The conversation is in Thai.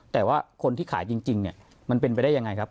แต่ว่าคนที่ขายจริงเนี่ยมันเป็นไปได้ยังไงครับ